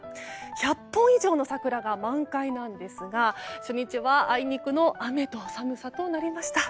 １００本以上の桜が満開なんですが初日はあいにくの雨と寒さとなりました。